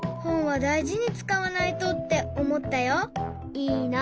いいな。